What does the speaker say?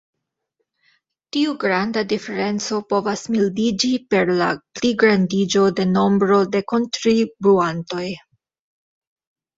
Tiu granda diferenco povas mildiĝi per la pligrandiĝo de nombro de kontribuantoj.